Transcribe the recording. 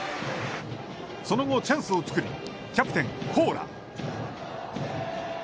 その後チャンスを作り、キャプテン高良。